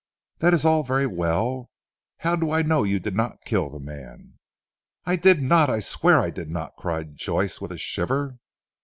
This is all very well, how do I know you did not kill the man?" "I did not; I swear I did not," cried Joyce with a shiver.